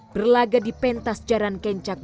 berlaga di pentas jarang kencang